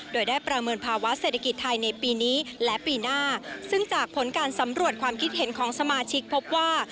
โดยได้ประเมินภาวะเศรษฐกิจไทยในปีนี้และปีหน้าซึ่งจากผลการสำรวจความคิดเห็นของสมาชิกพบว่า